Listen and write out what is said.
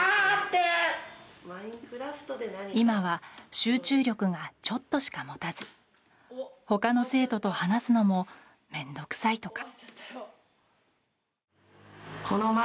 今は集中力がちょっとしか持たず他の生徒と話すのも面倒くさいとか。